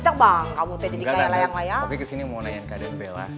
oke kesini mau nanya ke aden bella